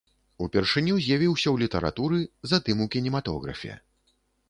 Упершыню з'явіўся ў літаратуры, затым у кінематографе.